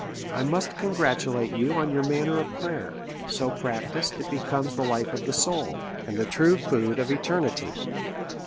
I must congratulate you on your manner of prayer : so practised, it becomes the life of the soul, and the XXVIII SOME ACCOUNT OP true food of eternity.